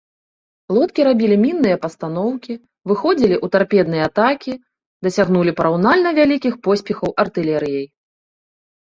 Лодкі рабілі мінныя пастаноўкі, выходзілі ў тарпедныя атакі, дасягнулі параўнальна вялікіх поспехаў артылерыяй.